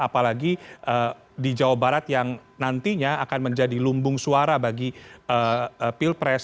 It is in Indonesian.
apalagi di jawa barat yang nantinya akan menjadi lumbung suara bagi pilpres